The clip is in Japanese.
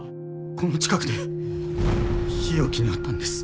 この近くで日置に会ったんです。